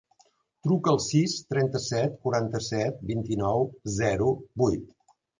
Truca al sis, trenta-set, quaranta-set, vint-i-nou, zero, vuit.